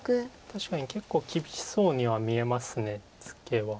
確かに結構厳しそうには見えますツケは。